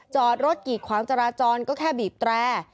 จอดรถกีดขวางจราจรก็แค่บีบแตร